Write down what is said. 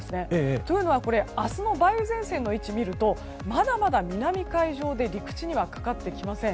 というのは、明日の梅雨前線の位置を見るとまだまだ南海上で陸地にはかかってきていません。